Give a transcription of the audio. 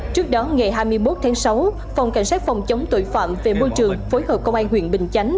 trước đó ngày hai mươi một tháng sáu phòng cảnh sát phòng chống tội phạm về môi trường phối hợp công an huyện bình chánh